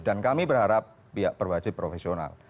dan kami berharap pihak perwajib profesional